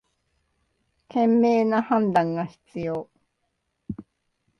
賢明な判断が必要